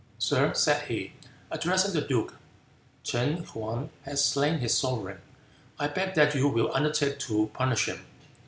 "Sir," said he, addressing the duke, "Ch'in Hang has slain his sovereign; I beg that you will undertake to punish him."